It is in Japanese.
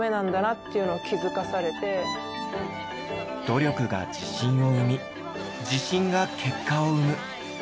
努力が自信を生み自信が結果を生む。